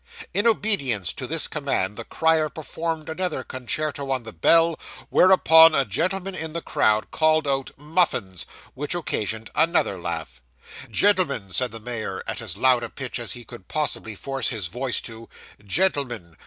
In obedience to this command the crier performed another concerto on the bell, whereupon a gentleman in the crowd called out 'Muffins'; which occasioned another laugh. 'Gentlemen,' said the mayor, at as loud a pitch as he could possibly force his voice to 'gentlemen.